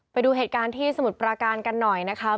ไปดูเหตุการณ์ที่สมุทรปราการกันหน่อยนะคะ